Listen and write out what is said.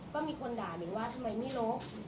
ก็มีคนด่านิงว่าทำไมไม่ลบ